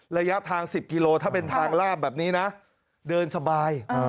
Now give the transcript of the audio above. ระยะทาง๑๐กิโลถ้าเป็นทางลาบแบบนี้นะเดินสบาย